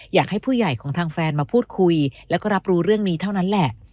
อยากให้ผู้ใหญ่ของทางแฟนมาพูดคุยแล้วก็รับรู้เรื่องนี้เท่านั้นแหละ